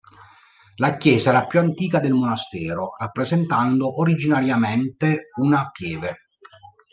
La chiesa era più antica del monastero, rappresentando originariamente una pieve.